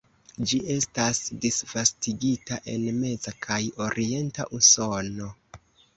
Ĝi estas disvastigita en meza kaj orienta Usono.